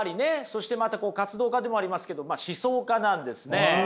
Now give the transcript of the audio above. そしてまた活動家でもありますけど思想家なんですね。